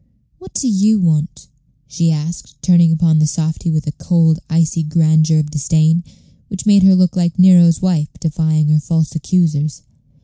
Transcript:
"What do you want?" she asked, turning upon the softy with a cold, icy grandeur of disdain, which made her look like Nero's wife defying her false accusers.